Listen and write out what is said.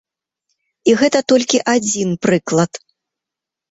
І гэта толькі адзін прыклад.